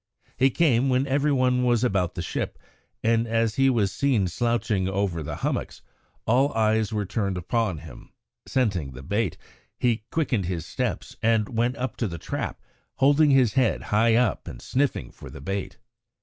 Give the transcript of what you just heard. He came when every one was about the ship, and as he was seen slouching over the hummocks, all eyes were turned upon him. Scenting the bait, he quickened his steps and went up to the trap, holding his head high up and sniffing for the bait.